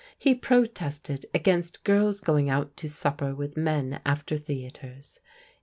He protested against girls go ing out to supper with men after theatres.